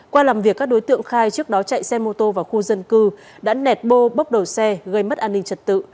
qua làm việc các đối tượng khai trước đó chạy xe mô tô vào khu dân cư đã nẹt bô bóc đầu xe gây mất an ninh trật tự